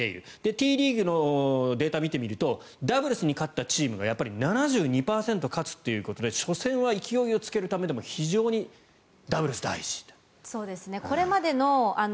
Ｔリーグのデータを見てみるとダブルスを勝ったチームがやっぱり７２％勝つということで初戦は勢いをつけるために非常にダブルスは大事。